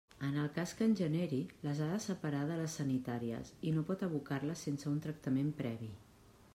En el cas que en generi, les ha de separar de les sanitàries i no pot abocar-les sense un tractament previ.